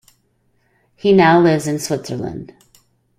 He now lives in Switzerland.